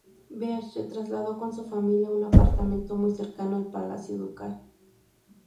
Bach se trasladó con su familia a un apartamento muy cercano al palacio ducal.